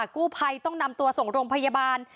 กู้ภัยต้องนำตัวส่งโรงพยาบาล